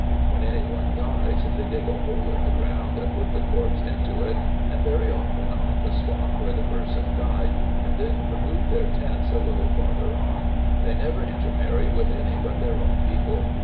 When any one dies, they dig a hole in the ground, and put the corpse into it, and very often on the spotwhere the person died, and then remove their tents a little farther on. They never intermarry with any but their own people.